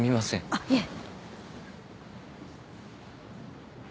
あっいえ。